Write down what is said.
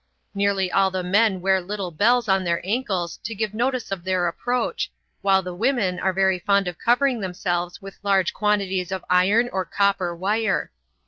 Nearly all the men wear little bells on their ankles to give notice of their approach, while the women are very fond of covering themselves with large quantities of iron or copper wire.